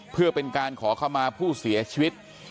เพื่อเป็นการขอเข้ามาผู้เสียชีวิต